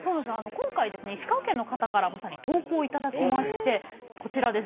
今回ですね石川県の方からまさに投稿を頂きましてこちらです。